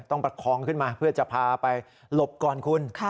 ประคองขึ้นมาเพื่อจะพาไปหลบก่อนคุณ